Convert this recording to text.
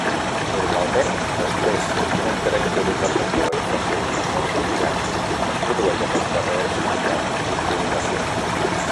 Normalment, després d'una interacció d'un receptor Fc amb el seu lligand es produeix aquesta reacció de fosforilació.